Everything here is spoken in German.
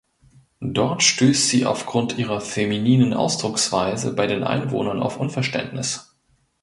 Dort stößt sie aufgrund ihrer femininen Ausdrucksweise bei den Einwohnern auf Unverständnis.